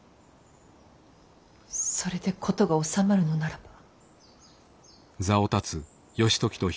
それで事が収まるのならば。